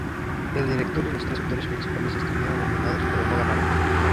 El director y los tres actores principales estuvieron nominados pero no ganaron.